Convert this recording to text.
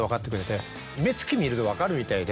目つき見ると分かるみたいで。